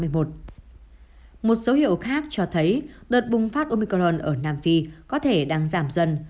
một số hiệu khác cho thấy đợt bùng phát omicron ở nam phi có thể đang giảm dần